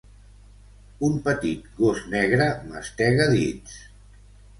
Un petit gos negre mastega dits.